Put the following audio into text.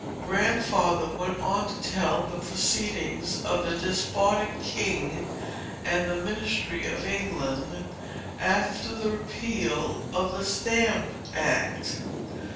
Grandfather went on to tell the proceedings of the despotic king and ministry of England, after the repeal of the Stamp Act.